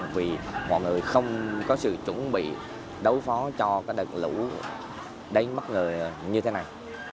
vì mọi người không có sự chuẩn bị đấu phó cho đợt lũ đánh bất ngờ như thế này